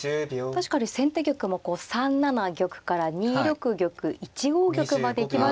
確かに先手玉も３七玉から２六玉１五玉まで行きますと。